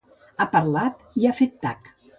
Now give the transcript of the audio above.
Ha parlat i ha fet tac.